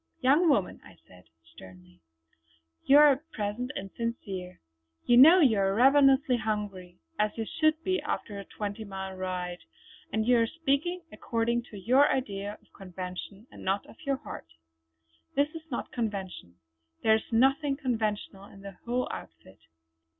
"Young woman" I said sternly "you are at present insincere. You know you are ravenously hungry, as you should be after a twenty mile ride; and you are speaking according to your idea of convention and not out of your heart. This is not convention; there is nothing conventional in the whole outfit.